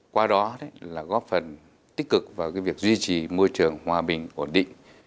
qua đó là góp phần tích cực vào việc duy trì môi trường hòa bình ổn định